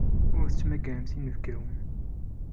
Ur tettmagaremt inebgawen.